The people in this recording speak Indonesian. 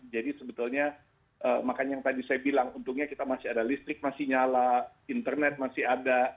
jadi sebetulnya makanya yang tadi saya bilang untungnya kita masih ada listrik masih nyala internet masih ada